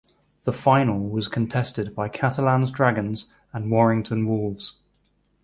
The final was contested by Catalans Dragons and Warrington Wolves.